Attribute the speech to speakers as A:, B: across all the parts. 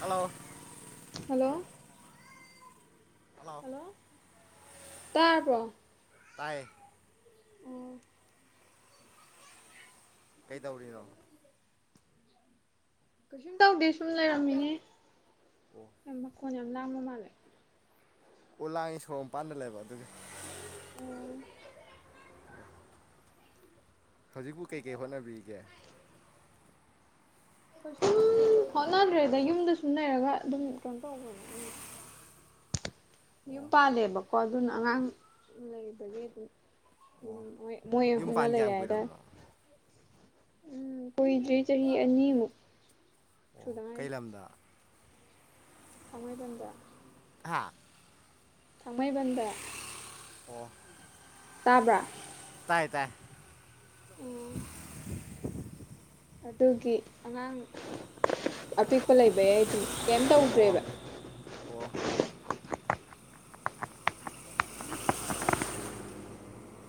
A: hello
B: hello
A: hello
B: hello ꯇꯥꯕ꯭ꯔꯣ
A: ꯇꯥꯏ ꯀꯩꯇꯧꯔꯤꯅꯣ
B: ꯀꯩꯁꯨꯝ ꯇꯧꯗꯦ ꯁꯨꯝ ꯂꯩꯔꯝꯃꯤꯅꯦ
A: ꯑꯣ
B: ꯌꯥꯝ ꯃꯈꯣꯟ ꯌꯥꯝ ꯂꯥꯡꯕ ꯃꯥꯜꯂꯦ
A: ꯎ ꯂꯥꯡꯉꯦ ꯁꯣꯔꯣꯛ ꯃꯄꯥꯟꯗ ꯂꯩꯕ ꯑꯗꯨꯒꯤ
B: ꯎꯝ
A: ꯍꯧꯖꯤꯛꯄꯨ ꯀꯩꯀꯩ ꯍꯣꯠꯅꯕꯤꯔꯤꯒꯦ
B: ꯀꯩꯁꯨꯝ ꯍꯣꯠꯅꯗ꯭ꯔꯦꯗ ꯌꯨꯝꯗ ꯁꯨꯝ ꯂꯩꯔꯒ ꯑꯗꯨꯝ ꯀꯩꯅꯣ ꯇꯧꯕꯅꯦ ꯑꯩ [inaudible] ꯌꯨꯝ
A: ꯑꯣ
B: ꯄꯥꯜꯂꯦꯕꯀꯣ ꯑꯗꯨꯅ ꯑꯉꯥꯡ ꯂꯩꯕꯒꯤ ꯑꯗꯨꯝ ꯎꯝ
A: ꯑꯣ
B: ꯃꯣꯏ ꯃꯣꯢ
A: ꯌꯨꯝ
B: ꯍꯣꯠꯅ
A: ꯄꯥꯟ
B: ꯂꯩꯔꯦ
A: ꯀꯌꯥꯝ
B: ꯍꯥꯢꯇꯥꯔꯦ
A: ꯀꯨꯏꯔꯕꯅꯣ
B: ꯎꯝ ꯀꯨꯏꯗ꯭ꯔꯤ ꯆꯍꯤ ꯑꯅꯤꯃꯨꯛ
A: ꯑꯣ
B: ꯁꯨꯗ
A: ꯀꯩ
B: ꯉꯥꯏꯔꯤ
A: ꯂꯝꯗ
B: ꯊꯥꯡꯃꯩꯕꯟꯗ
A: ꯍꯥ
B: ꯊꯥꯡꯃꯩꯕꯟꯗ
A: ꯑꯣ
B: ꯇꯥꯕ꯭ꯔꯥ
A: ꯇꯥꯏ ꯇꯥꯏ
B: ꯑꯗꯨꯒꯤ ꯑꯉꯥꯡ ꯑꯄꯤꯛꯄ ꯂꯩꯕꯩ ꯑꯩꯗꯣ ꯀꯩꯝ
A: ꯑꯣ
B: ꯇꯧꯗ꯭ꯔꯦꯕ
A: ꯑꯣ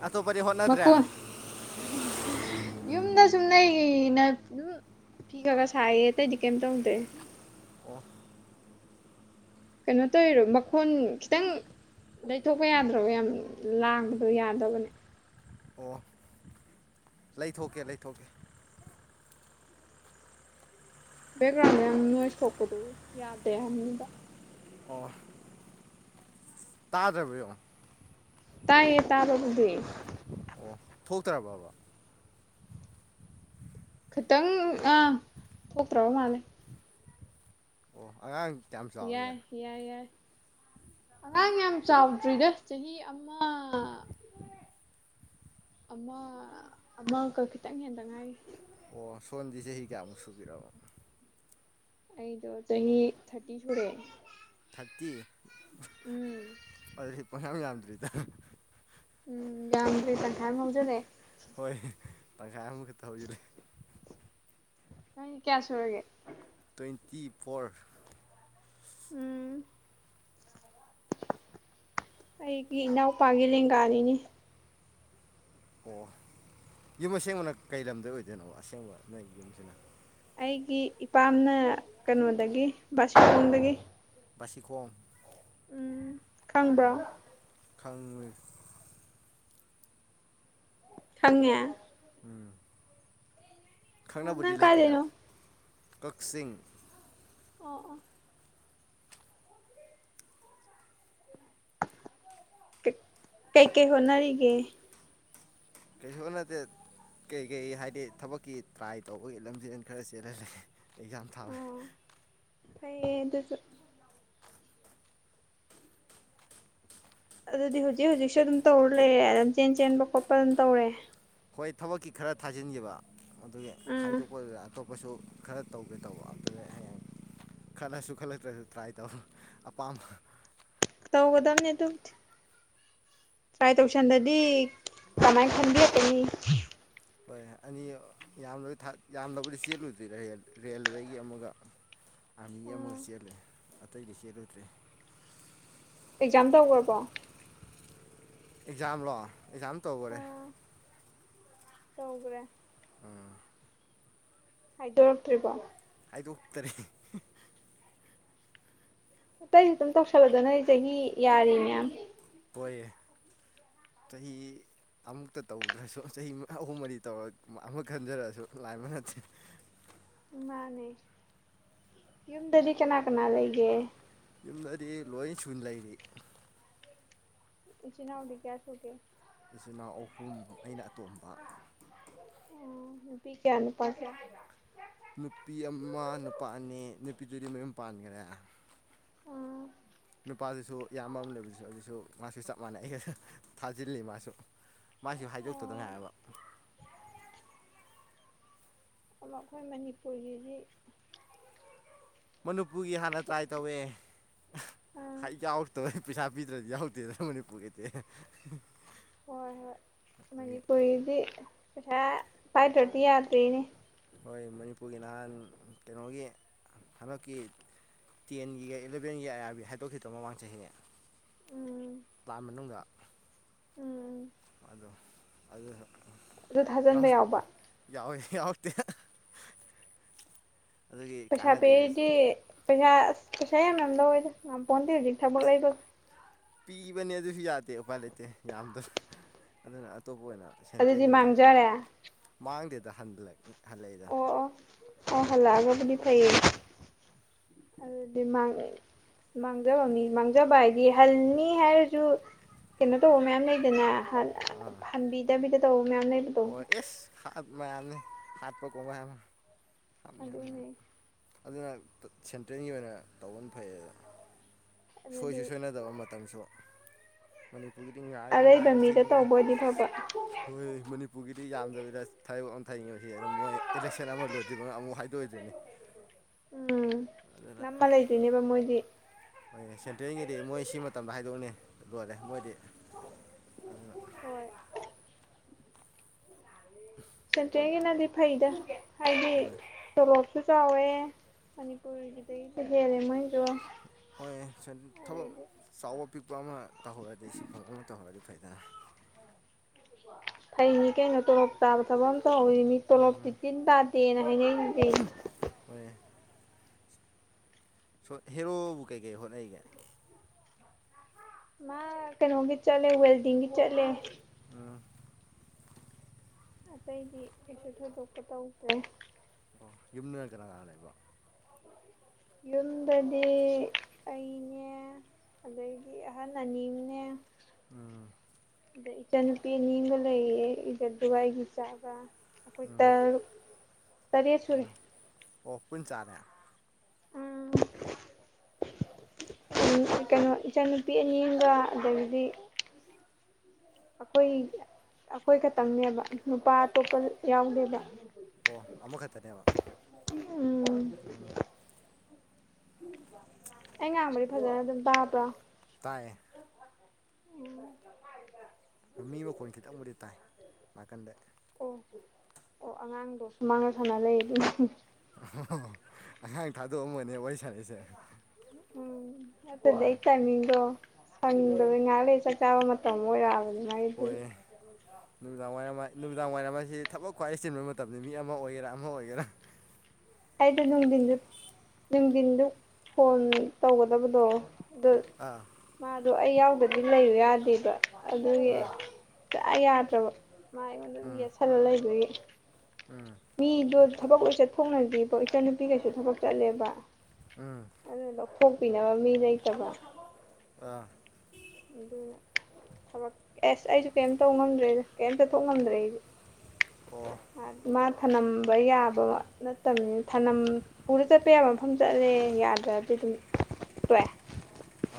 A: ꯑꯇꯣꯞꯄꯗꯤ ꯍꯣꯠꯅꯗ꯭ꯔꯦ
B: ꯃꯀꯣꯟ
A: ꯑꯣ
B: ꯌꯨꯝꯗ ꯁꯨꯝ ꯂꯩꯅ ꯑꯗꯨꯝ ꯐꯤ ꯈꯔ ꯈꯔ ꯁꯥꯏꯌꯦ ꯑꯇꯩꯗꯤ ꯀꯩꯝ ꯇꯧꯗꯦ
A: ꯑꯣ
B: ꯀꯩꯅꯣ ꯇꯧꯔꯤꯔꯣ ꯃꯈꯣꯟ ꯈꯤꯇꯪ ꯂꯩꯊꯣꯛꯄ ꯌꯥꯝꯗ꯭ꯔꯕꯣ ꯌꯥꯝ ꯂꯥꯡꯕꯗꯣ ꯌꯥꯗꯕꯅꯦ
A: ꯑꯣ ꯂꯩꯊꯣꯛꯀꯦ ꯂꯩꯊꯣꯛꯀꯦ
B: ꯕꯦꯛꯒ꯭ꯔꯥꯎꯟꯗ ꯌꯥꯝ ꯅꯣꯏꯁ ꯊꯣꯛꯄꯗꯣ ꯌꯥꯗꯦ ꯍꯥꯏꯅꯤꯕ
A: ꯑꯣ ꯇꯥꯗ꯭ꯔꯕ ꯌꯦꯉꯣ
B: ꯇꯥꯏꯌꯦ ꯇꯥꯕꯕꯨꯗꯤ
A: ꯑꯣ ꯊꯣꯛꯇ꯭ꯔꯕꯕ
B: ꯈꯤꯇꯪ ꯑꯥ ꯊꯣꯛꯇ꯭ꯔꯕ ꯃꯥꯜꯂꯦ
A: ꯑꯣ ꯑꯉꯥꯡ ꯀꯌꯥꯝ ꯆꯥꯎꯔꯒꯦ
B: ꯌꯥꯏ ꯌꯥꯏ ꯌꯥꯏ ꯑꯉꯥꯡ ꯌꯥꯝ ꯆꯥꯎꯗ꯭ꯔꯤꯗ ꯆꯍꯤ ꯑꯃ ꯑꯃ ꯑꯃꯒ ꯈꯤꯇꯪ ꯍꯦꯟꯗ ꯉꯥꯏꯔꯤ
A: ꯑꯣ ꯁꯣꯟꯗꯤ ꯆꯍꯤ ꯀꯌꯥꯃꯨꯛ ꯁꯨꯕꯤꯔꯕ
B: ꯑꯩꯗꯣ ꯆꯍꯤ ꯊꯥꯔꯇꯤ ꯁꯨꯔꯦ
A: ꯊꯔꯇꯤ
B: ꯎꯝ
A: ꯑꯗꯨꯗꯤ ꯄꯌꯥꯝ ꯌꯥꯝꯗ꯭ꯔꯤꯗ
B: ꯎꯝ ꯌꯥꯝꯗ꯭ꯔꯤ ꯇꯥꯡꯈꯥꯝ ꯑꯃ ꯍꯧꯖꯤꯟꯂꯦ
A: ꯍꯣꯏ ꯇꯪꯈꯥꯏ ꯑꯃꯨꯈꯛ ꯍꯧꯖꯤꯟꯂꯦ
B: ꯅꯪ ꯀꯌꯥꯁꯨꯔꯒꯦ
A: ꯇꯨꯋꯦꯟꯇꯤ ꯐꯣꯔ
B: ꯎꯝ ꯑꯩꯒꯤ ꯏꯅꯥꯎꯄꯥꯒꯤ ꯂꯦꯡꯒꯥꯅꯤꯅꯦ
A: ꯑꯣ ꯌꯨꯝ ꯑꯁꯦꯡꯕꯅ ꯀꯩ ꯂꯝꯗꯩ ꯑꯣꯏꯗꯣꯏꯅꯣꯕ ꯑꯁꯦꯡꯕ ꯅꯣꯏ ꯌꯨꯝꯁꯤꯅ
B: ꯑꯩꯒꯤ ꯏꯄꯥꯝꯅ ꯀꯩꯅꯣꯗꯒꯤ ꯕꯥꯁꯈꯣꯡꯗꯒꯤ
A: ꯕꯁꯤꯈꯣꯡ
B: ꯈꯪꯕ꯭ꯔꯣ
A: ꯈꯪꯉꯤ
B: ꯈꯪꯉꯦ
A: ꯈꯪꯅꯕꯕꯨꯗꯤ
B: ꯅꯪ
A: ꯂꯩꯇꯦꯗ
B: ꯀꯥꯏꯗꯩꯅꯣ
A: ꯀꯛꯆꯤꯡ
B: ꯑꯣ ꯑ ꯀꯩ ꯀꯩ ꯍꯣꯠꯅꯔꯤ ꯒꯦ
A: ꯀꯩꯁꯨ ꯍꯣꯠꯅꯗꯦꯗ ꯀꯩꯀꯩ ꯍꯥꯏꯗꯤ ꯊꯕꯛꯀꯤ ꯇ꯭ꯔꯥꯏ ꯇꯧꯕꯒꯤ ꯂꯝꯖꯦꯟ ꯈꯔ ꯆꯦꯜꯂꯥꯂꯩ ꯑꯦꯛꯖꯥꯝ ꯊꯥꯎꯔꯦ
B: ꯐꯩ ꯑꯗꯨꯁꯨ ꯑꯗꯨꯗꯤ ꯍꯧꯖꯤꯛ ꯍꯧꯖꯤꯛꯁꯨ ꯑꯗꯨꯝ ꯇꯧꯔ ꯂꯩꯔꯦ ꯑꯗꯨꯝ ꯂꯝ ꯖꯦꯟ ꯖꯦꯟꯕ ꯈꯣꯠꯄ ꯑꯗꯨꯝ ꯇꯧꯔꯦ
A: ꯍꯣꯏ ꯊꯕꯛꯀꯤ ꯈꯔ ꯊꯥꯖꯤꯟꯈꯤꯕ ꯑꯗꯨꯒꯤ
B: ꯎꯝ
A: ꯍꯥꯏꯗꯣꯛꯄꯗꯨ ꯑꯇꯣꯞꯄ ꯀꯣꯢꯁꯨ ꯈꯔ ꯇꯧꯒꯦ ꯇꯧꯕ ꯑꯗꯨꯗ ꯍꯌꯦꯡ ꯈꯜꯂꯁꯨ ꯈꯜꯂꯛꯇ꯭ꯔꯁꯨ ꯇ꯭ꯔꯥꯏ ꯇꯧ ꯑꯄꯥꯝꯕ
B: ꯇꯧꯒꯗꯕꯅꯦ ꯑꯗꯨꯕꯨꯗꯤ ꯇ꯭ꯔꯥꯏ ꯇꯧꯁꯟꯗꯗꯤ ꯀꯃꯥꯏ
A: ꯍꯣꯏ
B: ꯈꯟꯕꯤꯔꯛꯀ ꯅꯤ
A: ꯍꯣꯏ ꯑꯅꯤ ꯌꯥꯝ ꯌꯥꯝꯅꯕꯨꯗꯤ ꯆꯦꯜꯂꯨꯗ꯭ꯔꯤꯗ ꯑꯩ ꯔꯦꯜꯋꯦꯒꯤ ꯑꯃꯒ
B: [inaudible]
A: ꯑꯥꯔꯃꯤ ꯑꯃꯒ ꯆꯦꯜꯂꯦ ꯑꯇꯩꯗꯤ ꯆꯦꯜꯂꯨꯗ꯭ꯔꯤ
B: ꯑꯦꯛꯖꯥꯝ ꯇꯧꯈ꯭ꯔꯕꯣ
A: ꯑꯦꯛꯖꯥꯝ ꯂꯣ ꯑꯦꯛꯖꯥꯝ ꯇꯧꯒꯥꯔꯦ
B: ꯇꯧꯒ꯭ꯔꯦ
A: ꯎꯝ
B: ꯍꯥꯏꯗꯣꯛꯔꯛ ꯇ꯭ꯔꯤꯕꯣ
A: ꯍꯥꯏꯗꯣꯛꯇꯔꯦ
B: ꯑꯇꯩꯁꯨ ꯑꯗꯨꯝ ꯇꯧꯁꯜꯂꯗꯣ ꯅ ꯅꯣꯢ ꯆꯍꯤ ꯌꯥꯔꯤ ꯃꯌꯥꯝ
A: ꯍꯣꯏ ꯆꯍꯤ ꯑꯃꯨꯛꯇ ꯇꯧꯗ꯭ꯔꯁꯨ ꯆꯍꯤ ꯑꯍꯨꯝ ꯃꯔꯤ ꯇꯧꯔ ꯑꯃ ꯈꯟꯖꯔꯛꯁꯨ ꯂꯥꯏꯃ ꯅꯠꯇꯦ
B: ꯃꯥꯟꯅꯦ ꯌꯨꯝꯗꯗꯤ ꯀꯅꯥ ꯀꯅꯥ ꯂꯩꯒꯦ
A: ꯌꯨꯝꯗꯗꯤ ꯂꯣꯏ ꯁꯨꯅ ꯂꯩꯔꯤ
B: ꯏꯆꯤꯟꯅꯥꯎꯗꯤ ꯀꯌꯥ ꯁꯨꯒꯦ
A: ꯏꯆꯤꯟꯅꯥꯎ ꯑꯍꯨꯝ ꯑꯩꯅ ꯑꯇꯣꯝꯕ
B: ꯑꯣ ꯅꯨꯄꯤ ꯀꯌꯥ ꯅꯨꯨꯄꯥ ꯀꯌꯥ
A: ꯅꯨꯄꯤ ꯑꯃ ꯅꯨꯄꯥ ꯑꯅꯤ ꯅꯨꯄꯤꯗꯨꯗꯤ ꯃꯌꯨꯝ ꯄꯥꯟꯒꯔꯦ
B: ꯑꯥ
A: ꯅꯨꯄꯥꯗꯨꯁꯨ ꯏꯌꯥꯝꯕ ꯑꯃ ꯂꯩꯕꯗꯨꯁꯨ ꯑꯗꯨꯁꯨ ꯃꯥꯁꯨ ꯆꯞ ꯃꯥꯟꯅꯩ ꯑꯩꯒ ꯊꯥꯖꯤꯜꯂꯤ ꯃꯥꯁꯨ ꯃꯥꯏꯁꯨ ꯍꯥꯏꯗꯣꯛꯇꯧꯗ
B: ꯑꯣ
A: ꯉꯥꯏꯔꯕ
B: [inaudible] ꯑꯃ ꯑꯩꯈꯣꯏ ꯃꯅꯤꯄꯨꯔꯒꯤꯗꯤ
A: ꯃꯅꯤꯄꯨꯒꯤ ꯍꯥꯟꯅ ꯇ꯭ꯔꯥꯏ ꯇꯧꯋꯦ
B: ꯑꯥ
A: ꯍ ꯑꯩ ꯌꯥꯎꯔꯛꯇꯕꯩ ꯄꯩꯁꯥ ꯄꯤꯗ꯭ꯔꯗꯤ ꯌꯥꯎꯗꯦꯗ ꯃꯅꯤꯄꯨꯔꯒꯤꯗꯤ
B: ꯍꯣꯏ ꯍꯣꯏ
A: ꯑꯗꯒꯤ
B: ꯃꯅꯤꯄꯨꯔꯒꯤꯗꯤ ꯄꯩꯁꯥ ꯄꯥꯏꯗ꯭ꯔꯗꯤ ꯌꯥꯗ꯭ꯔꯦꯅꯦ
A: ꯍꯣꯏ ꯃꯅꯤꯄꯨꯔꯒꯤ ꯅꯍꯥꯟ ꯀꯩꯅꯣꯒꯤ ꯍꯟꯗꯛꯀꯤ ꯇꯦꯟꯒꯤꯒ ꯏꯜꯂꯚꯦꯟꯒꯤ ꯑꯥꯏ ꯑꯥꯔ ꯕꯤ ꯍꯥꯏꯗꯣꯛꯈꯤꯗꯣ ꯃꯃꯥꯡ ꯆꯍꯤ
B: ꯎꯝ
A: ꯂꯥꯟ ꯃꯅꯨꯡꯗ
B: ꯎꯝ
A: ꯑꯗꯣ ꯑꯗꯨ
B: ꯑꯗꯨ ꯊꯥꯖꯟꯕ ꯌꯥꯎꯕ
A: ꯌꯥꯎꯋꯦ ꯌꯥꯎꯔꯛꯇꯦ ꯍꯦ
B: ꯄꯩꯁꯥ ꯄꯤꯔꯗꯤ ꯄꯩꯁꯥ ꯑꯁ ꯄꯩꯁꯥ ꯌꯥꯝ ꯌꯥꯝ ꯂꯧꯋꯦꯗ ꯉꯝ ꯄꯣꯟꯇꯦ ꯍꯨꯖꯤꯛ ꯊꯕꯛ ꯂꯩꯕꯒ
A: ꯄꯤꯕꯅꯦ ꯑꯗꯨꯖꯨ ꯌꯥꯗꯦ ꯎꯄꯥꯏ ꯂꯩꯇꯦ ꯌꯥꯝꯗ ꯑꯗꯨꯅ ꯑꯇꯣꯞꯄ ꯑꯣꯏꯅ
B: ꯑꯗꯨꯗꯤ
A: ꯁꯦꯟꯇ꯭ꯔꯦꯟꯒꯤ ꯑꯣꯏꯅ
B: ꯃꯥꯡꯖꯔꯦ
A: ꯃꯥꯡꯗꯦꯗ ꯍꯟꯂꯛ ꯍꯜꯂꯛꯏꯗ
B: ꯑ ꯍꯜꯂꯛꯑꯒꯕꯨꯗꯤ ꯐꯩꯌꯦ ꯑꯗꯨꯗꯤ ꯃꯥꯡ ꯃꯥꯡꯖꯕ ꯃꯤ ꯃꯥꯡꯖꯕꯗꯤ ꯍꯟꯅꯤ ꯍꯥꯏꯔꯖꯨ ꯀꯦꯅꯣ ꯇꯧꯕ ꯃꯌꯥꯝ ꯂꯩꯗꯅꯥ ꯍꯟ
A: ꯑꯥ
B: ꯍꯟꯕꯤꯗꯕꯤꯗ ꯇꯧꯕ ꯃꯌꯥꯝ ꯂꯩ
A: ꯍꯣꯏ ꯑꯦꯁ ꯍꯥꯠ ꯃꯌꯥꯝꯅꯦ ꯍꯥꯠꯄ ꯀꯣꯡꯒꯥꯏ ꯑꯃ
B: ꯑꯗꯨꯅꯦ
A: ꯁꯦꯟꯇ꯭ꯔꯦꯟꯒꯤ ꯑꯣꯏꯅ ꯇꯧꯕꯅ ꯐꯩꯌꯦꯅ ꯁꯣꯏꯁꯨ
B: ꯑꯗꯨꯗꯤ
A: ꯁꯣꯏꯅꯗꯕ ꯃꯇꯝꯁꯨ ꯃꯅꯤ ꯃꯅꯤꯄꯨꯔꯒꯤꯗꯤ ꯉꯥꯏꯌꯨ
B: ꯑꯔꯩꯕ
A: ꯉꯥꯏꯌꯨ
B: ꯃꯤꯗ
A: ꯆꯍꯤ ꯃ
B: ꯇꯧꯕ ꯑꯣꯏꯗꯤ ꯐꯕ
A: ꯍꯣꯏ ꯃꯅꯤꯄꯨꯔꯒꯤꯗꯤ ꯌꯥꯝꯗꯕꯤꯗ ꯊꯩꯕꯛ ꯑꯝ ꯊꯩꯉꯤꯕꯁꯤ ꯑꯗꯨꯝ ꯃꯣꯏ ꯏꯂꯦꯛꯁꯟ ꯑꯃ ꯂꯣꯏꯗ꯭ꯔꯤꯕ ꯑꯃꯨꯛ ꯍꯥꯏꯗꯣꯛꯑꯣꯏꯗꯣꯏꯅꯤ
B: ꯎꯝ ꯅꯝꯃ ꯂꯩꯗꯨꯢꯅꯦꯕ ꯃꯣꯏꯗꯤ
A: ꯍꯣꯏꯌꯦ ꯁꯦꯟꯇ꯭ꯔꯦꯟꯒꯤꯗꯤ ꯃꯣꯏꯁꯤ ꯃꯇꯝꯗ ꯍꯥꯏꯗꯣꯛꯅꯤ ꯂꯣꯏꯔꯦ ꯃꯣꯏꯗꯤ ꯑꯗꯨꯅ
B: ꯍꯣꯏ ꯁꯦꯟꯇ꯭ꯔꯦꯟꯒꯤꯅꯗꯤ ꯐꯩꯗ ꯍꯥꯏꯗꯤ
A: ꯍꯣꯏ
B: ꯇꯣꯂꯣꯞ ꯁꯨ ꯆꯥꯎꯋꯦ ꯃꯅꯤꯄꯨꯔꯒꯤꯗꯒꯤꯁꯨ ꯍꯦꯜꯂꯦ ꯃꯣꯏꯖꯨ
A: ꯍꯣꯏꯌꯦ ꯁꯦꯟ ꯊꯕꯛ ꯆꯥꯎꯕ ꯄꯤꯛꯄ ꯑꯃ ꯇꯧꯍꯧꯔꯗꯤ ꯁꯤꯟꯐꯝ ꯑꯃ ꯇꯧꯍꯧꯔꯗꯤ ꯐꯩꯗꯅ
B: ꯐꯩꯅꯤ ꯀꯩꯅꯣ ꯇꯣꯂꯣꯞ ꯆꯥꯕ ꯊꯕꯛ ꯑꯝ ꯇꯧꯔꯤ ꯃꯤ ꯇꯣꯂꯣꯞꯇꯤ ꯇꯤꯟ ꯇꯥꯗꯦꯅ ꯍꯥꯏꯅꯩꯅꯤ ꯀꯩꯅꯣ
A: ꯍꯣꯏ ꯁꯣ ꯍꯦꯔꯣꯕꯨ ꯀꯩꯀꯩ ꯍꯣꯠꯅꯩꯒꯦ
B: ꯃꯥ ꯀꯩꯅꯣꯒꯤ ꯆꯠꯂꯦ ꯋꯦꯜꯗꯤꯡꯒꯤ ꯆꯠꯂꯦ
A: ꯑꯝ
B: ꯑꯇꯩꯗꯤ ꯀꯩꯁꯨ ꯊꯣꯏꯗꯣꯛꯄ ꯇꯧꯗ꯭ꯔꯦ
A: ꯑꯣ ꯌꯨꯝꯗꯅ ꯀꯅꯥ ꯀꯅꯥ ꯂꯩꯕ
B: ꯌꯨꯝꯗꯗꯤ ꯑꯩꯅꯦ ꯑꯗꯒꯤ ꯑꯍꯟ ꯑꯅꯤꯝꯅꯦ
A: ꯎꯝ
B: ꯏꯆꯟꯅꯨꯄꯤ ꯑꯅꯤꯝꯒ ꯂꯩꯌꯦ ꯑꯩꯒ ꯑꯗꯨꯒ ꯑꯩꯒꯤ ꯏꯆꯥꯒ ꯑꯈꯣꯏ
A: ꯎꯝ
B: ꯇꯔꯨꯛ ꯇꯔꯦꯠ ꯁꯨꯔꯦ
A: ꯎꯝ ꯑꯣ [unintelligible]
B: ꯑꯝ ꯎ ꯀꯩꯅꯣ ꯏꯆꯟ ꯅꯨꯨꯄꯤ ꯑꯅꯤꯝꯒ ꯑꯗꯒꯤꯗꯤ ꯑꯈꯣꯏ ꯑꯈꯣꯏ ꯈꯠꯇꯪꯅꯦꯕ ꯅꯨꯄꯥ ꯑꯇꯣꯞꯄ ꯌꯥꯎꯗꯦꯕ
A: ꯑꯣ ꯑꯃꯈꯠꯇꯅꯦꯕ
B: ꯎꯝ
A: ꯎꯝ
B: ꯑꯩ ꯉꯥꯡꯕꯗꯤ ꯐꯖꯅ ꯑꯗꯨꯝ ꯇꯥꯕ꯭ꯔꯣ
A: ꯇꯥꯏꯌꯦ
B: ꯎꯝ
A: ꯃꯤ ꯃꯈꯣꯟ ꯈꯤꯇꯪꯕꯨꯗꯤ ꯇꯥꯏ ꯅꯥꯀꯟꯗ
B: ꯑꯣ ꯑꯣ ꯑꯉꯥꯡꯗꯣ ꯁꯨꯃꯥꯡꯅ ꯁꯥꯅ ꯂꯩ ꯑꯗꯨ [unintelligible]
A: [unintelligible] ꯑꯉꯥꯡ ꯊꯥꯗꯣꯛꯑꯝꯃꯅꯦ ꯋꯥꯔꯤ ꯁꯥꯅꯩꯁꯦ
B: ꯎꯝ ꯑꯗꯨꯗꯤ ꯑꯩ ꯇꯥꯏꯃꯤꯡꯗꯣ ꯁꯪꯗꯕ ꯉꯥꯛ ꯂꯩꯔ ꯆꯥꯛ ꯆꯥꯕ ꯃꯇꯝ ꯑꯣꯏꯔꯛꯑꯕꯅꯦ
A: ꯑꯣꯏꯑꯦꯅꯨꯃꯤꯗꯥꯡ ꯋꯥꯏꯔꯝ ꯅꯨꯃꯤꯗꯥꯡ ꯋꯥꯏꯔꯝ ꯍꯥꯢꯁꯦ ꯊꯕꯛ ꯈ꯭ꯋꯥꯏ ꯆꯤꯟꯕ ꯃꯇꯝꯅꯦ ꯃꯤ ꯑꯃ ꯑꯣꯏꯒꯦꯔꯥ ꯑꯃ ꯑꯣꯏꯒꯦꯔꯥ
B: ꯑꯩꯗꯨ ꯅꯨꯡꯊꯤꯟꯗꯨ ꯅꯨꯡꯊꯤꯟꯗꯨ ꯐꯣꯟ ꯇꯧꯒꯗꯕꯗꯣ ꯑꯗꯣ
A: ꯑꯥ
B: ꯃꯥꯗꯣ ꯑꯩ ꯌꯥꯎꯗꯗꯤ ꯂꯩꯌꯨ ꯌꯥꯗꯦꯕ ꯑꯗꯨꯒꯤ
A: ꯑꯥ
B: ꯁꯨꯛꯌꯥ ꯌꯥꯗ꯭ꯔꯕ ꯃꯥ ꯑꯩꯉꯣꯟꯗ ꯑꯗꯨꯝ
A: ꯎꯝ
B: ꯌꯦꯠꯁꯜꯂ ꯂꯩꯕꯒꯤ
A: ꯎꯝ
B: ꯃꯤꯗꯣ ꯊꯕꯛ ꯂꯣꯏ ꯆꯠꯊꯣꯛꯅꯒꯤꯕ ꯏꯆꯟ ꯅꯨꯨꯄꯤꯒꯩꯁꯨ ꯊꯕꯛ ꯆꯠꯂꯦꯕ
A: ꯎꯝ
B: ꯑꯗꯨꯅ ꯂꯧꯊꯣꯛꯄꯤꯅꯕ ꯃꯤ ꯂꯩꯇꯕ
A: ꯑꯥ
B: ꯑꯗꯨꯅꯤ ꯊꯕꯛ ꯑꯦꯁ ꯑꯩꯁꯨ ꯀꯩꯝ ꯇꯧ ꯉꯝꯗ꯭ꯔꯦ ꯀꯩꯝ ꯆꯠꯊꯣꯛ ꯉꯝꯗ꯭ꯔꯦ ꯑꯩꯁꯨ
A: ꯑꯣ
B: ꯑ ꯃꯥ ꯊꯅꯝꯕ ꯌꯥꯕ ꯅꯠꯇꯝꯅꯤ ꯊꯅꯝ ꯄꯨꯔ ꯆꯠꯄ ꯌꯥꯕ ꯃꯐꯝ ꯆꯠꯂꯦ ꯌꯥꯗ꯭ꯔꯗꯤ ꯗꯨꯝ ꯇꯣꯛꯑꯦ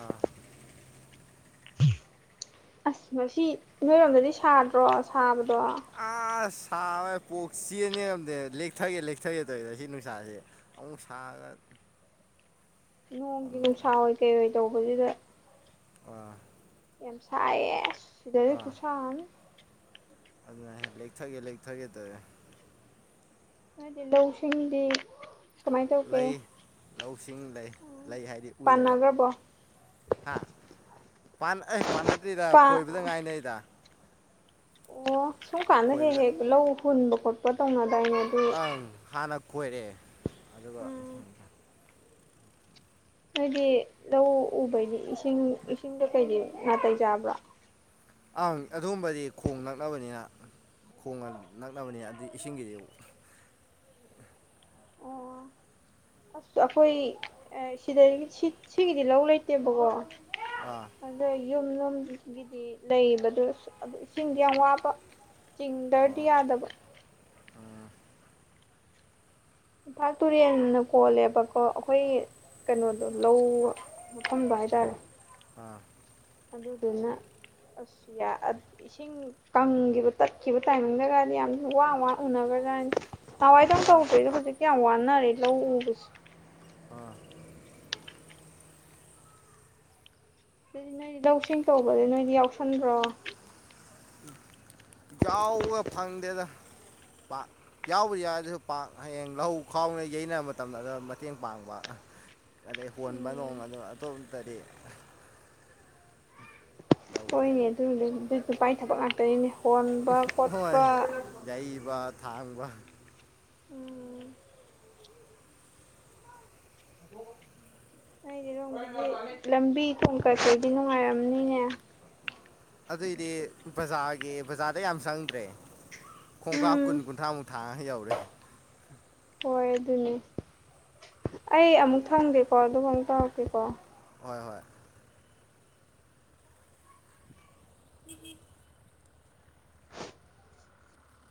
A: ꯑꯥ
B: ꯑꯁ ꯉꯁꯤ ꯅꯣꯏꯔꯣꯝꯗꯗꯤ ꯁꯥꯗ꯭ꯔꯣ ꯁꯥꯕ
A: ꯑꯁꯁ ꯁꯥꯕ [unintelligible] ꯉꯝꯗꯦ ꯂꯦꯛꯊꯒꯦ ꯂꯦꯛꯊꯒꯦ ꯇꯧꯋꯦ ꯑꯁꯤ ꯅꯨꯡꯁꯥꯁꯦ ꯑꯃꯨꯛ ꯁꯥꯔꯒ
B: ꯅꯣꯡꯒꯤ
A: ꯑꯃꯨꯛ
B: ꯅꯨꯡꯁꯥ ꯑꯣꯏ ꯀꯩꯑꯣꯏ ꯇꯧꯕꯁꯤꯗ
A: ꯑꯥ
B: ꯌꯥꯝ ꯁꯥꯏꯌꯦ ꯁꯤꯗꯗꯤ ꯈꯨꯁꯥꯑꯝꯅꯤ
A: ꯑꯗꯨꯅꯦ ꯍꯥꯏ ꯂꯦꯛꯊꯒꯦ ꯂꯦꯛꯊꯒꯦ ꯇꯧꯑꯦ
B: ꯅꯣꯏꯗꯤ ꯂꯧꯁꯤꯡꯗꯤ ꯀꯃꯥꯏꯅ ꯇꯧꯒꯦ
A: ꯂꯩ ꯂꯧꯁꯤꯡ ꯂꯩ ꯂꯩ ꯍꯥꯏꯗꯤ ꯎꯏꯌꯦꯕ
B: ꯄꯥꯟꯅꯈ꯭ꯔꯕꯣ
A: ꯍꯥ ꯄꯥꯟ ꯑꯩ ꯄꯥꯟꯅꯗ꯭ꯔꯤꯗ
B: ꯄꯥ
A: ꯈꯣꯏꯕꯗ ꯉꯥꯏꯅꯔꯤꯗ
B: ꯑꯣ ꯁꯨꯝꯀꯥꯟꯗ ꯍꯦꯛ
A: ꯈꯣꯏꯕꯗ
B: ꯍꯦꯛ ꯂꯧ ꯍꯨꯟꯕ ꯈꯣꯠꯄ ꯇꯧꯅ
A: ꯑꯪ ꯍꯥꯟꯅ ꯈꯣꯏꯔꯦ ꯑꯗꯨꯒ
B: ꯎꯝ ꯍꯥꯏꯗꯤ ꯂꯧ ꯎꯕꯩꯗꯤ ꯏꯁꯤꯡ ꯏꯁꯤꯡꯗꯣ ꯀꯩꯗꯤ ꯅꯥꯇꯩ ꯆꯥꯕ꯭ꯔꯥ
A: ꯑꯪ ꯑꯗꯨꯒꯝꯕꯗꯤ ꯈꯣꯡ ꯅꯛꯅꯕꯅꯤꯅ ꯈꯣꯡꯒ ꯅꯛꯅꯕꯅꯤꯅ ꯑꯗꯩ ꯏꯁꯤꯡꯒꯤꯗꯤ
B: ꯑꯣ ꯑꯁ ꯑꯩꯈꯣꯏ ꯁꯤꯗ ꯁꯤꯒꯤꯗꯤ ꯂꯧ ꯂꯩꯇꯦꯕꯀꯣ
A: ꯑꯥ
B: ꯌꯨꯝꯂꯣꯝꯒꯤꯗꯤ ꯂꯩꯕꯗ ꯑꯗꯨ ꯏꯁꯤꯡꯗꯣ ꯌꯥꯝ ꯋꯥꯕ ꯆꯤꯡꯗ꯭ꯔꯗꯤ
A: ꯑꯣ
B: ꯌꯥꯗꯕ
A: ꯎꯝ
B: ꯏꯝꯐꯥꯜ ꯇꯨꯔꯦꯜꯅ ꯀꯣꯜꯂꯦꯕꯀꯣ ꯑꯩꯈꯣꯏ ꯀꯩꯅꯣꯗꯣ ꯂꯧ ꯃꯐꯝꯗꯣ ꯍꯥꯏ ꯇꯥꯔꯦ
A: ꯑꯥ
B: ꯑꯗꯨꯗꯨꯅ ꯑꯁ ꯌꯥ ꯑꯥ ꯏꯁꯤꯡ ꯀꯪꯈꯤꯕ ꯇꯠꯈꯤꯕ ꯇꯥꯏꯃꯤꯡꯗꯒꯗꯤ ꯌꯥꯝ ꯋꯥ ꯋꯥꯅ ꯎꯅꯒ ꯕꯦꯔꯅꯤ ꯅꯋꯥꯏꯗꯧꯅ
A: ꯑꯥ
B: ꯇꯧꯗ꯭ꯔꯦꯗ ꯍꯧꯖꯤ ꯌꯥꯝ ꯋꯥꯅꯔꯦ ꯂꯧ ꯎꯕꯁꯦ
A: ꯑꯥ
B: ꯑꯗꯨꯗꯤ ꯅꯣꯏꯗꯤ ꯂꯧꯁꯤꯡ ꯇꯧꯕꯗ ꯅꯣꯏꯗꯤ ꯌꯥꯎꯁꯟꯕ꯭ꯔꯣ
A: ꯌꯥꯎꯕ ꯐꯪꯗꯦꯗ ꯄꯥꯛ ꯌꯥꯎꯕꯗꯤ ꯌꯥꯎꯋꯦꯁꯨ ꯄꯥꯛ ꯍꯌꯦꯡ ꯂꯧ ꯈꯥꯎꯕꯗ ꯌꯩꯅꯕ ꯃꯇꯝꯗ ꯑꯝ ꯃꯇꯦꯡ ꯄꯥꯡꯕ ꯑꯗꯩ ꯍꯣꯟꯕ ꯅꯣꯡ
B: ꯎꯝ
A: ꯑꯗ ꯑꯇꯣꯞꯄꯇꯗꯤ ꯇꯧꯗꯦ
B: ꯍꯣꯏꯅꯦ ꯑꯗꯨꯕꯨꯗꯤ ꯅꯨꯄꯥꯏ ꯊꯕꯛ ꯉꯛꯇꯅꯤꯅꯦ ꯍꯣꯟꯕ
A: ꯍꯣꯏ
B: ꯈꯣꯠꯄ
A: ꯌꯩꯕ ꯊꯥꯡꯕ
B: ꯎꯝ [unintelligible] ꯑꯩꯗꯤ ꯅꯣꯡꯃꯗꯤ ꯂꯝꯕꯤ ꯊꯣꯡ ꯀꯩꯀꯩꯗꯤ ꯅꯨꯡꯉꯥꯏꯔꯝꯅꯤꯅꯦ
A: ꯑꯗꯨꯏꯗꯤ ꯕꯖꯥꯔꯒꯤ ꯕꯖꯥꯔꯗ ꯌꯥꯝ ꯆꯪꯗ꯭ꯔꯦ ꯈꯣꯡꯀꯥꯞ ꯀꯨꯟ
B: ꯎꯝ
A: ꯀꯨꯟꯊ꯭ꯔꯥꯃꯨꯛ ꯊꯥꯡꯉꯥ ꯌꯧꯔꯦ
B: ꯍꯣꯏ ꯑꯗꯨꯅꯤ ꯑꯩ ꯑꯃꯨꯛ ꯊꯝꯒꯦꯀꯣ ꯑꯗꯨꯒ ꯑꯃꯨꯛ ꯇꯧꯔꯛꯀꯦꯀꯣ
A: ꯍꯣꯏ ꯍꯣꯏ [unintelligible]
B: [inaudible]